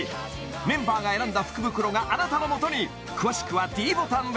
メンバーが選んだ福袋があなたのもとに詳しくはｄボタンで